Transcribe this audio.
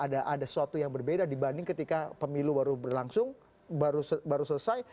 ada ada ada suatu yang berbeda dibanding ketika pemilu baru berlangsung baru selesai